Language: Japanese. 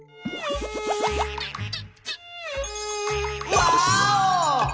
ワーオ！